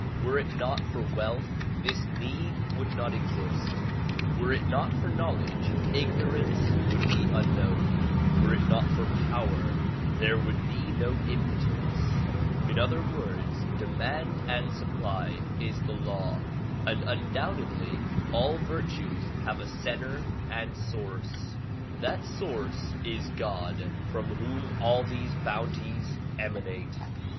Were it not for wealth this need would not exist ; were it not for knowledge ignorance would be unknown ; were it not for power there would be no impotence. In other words demand and supply is the law and undoubtedly all virtues have a center and source. That source is God from whom all these bounties emanate.